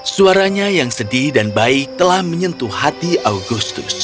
suaranya yang sedih dan baik telah menyentuh hatiku